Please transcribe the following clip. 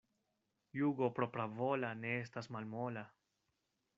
Jugo propravola ne estas malmola.